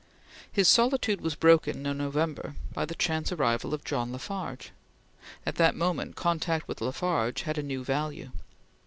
His solitude was broken in November by the chance arrival of John La Farge. At that moment, contact with La Farge had a new value.